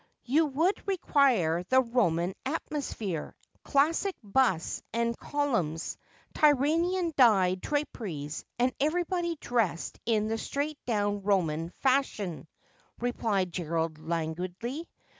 'You would require the Roman atmosphere, classic busts and columns, Tyrian dyed draperies, and everybody dressed in the straight down Roman fashion,' replied Gerald languidly.